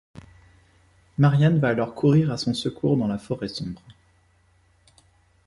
Marianne va alors courir à son secours dans la Forêt sombre.